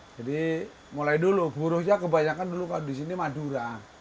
jadi mulai dulu buruhnya kebanyakan dulu kalau di sini madura